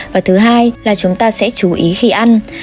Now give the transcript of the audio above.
và thứ hai là chúng ta sẽ chú ý khi ăn